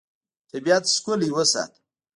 طبیعت ښکلی وساته.